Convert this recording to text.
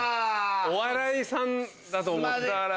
お笑いさんだと思った。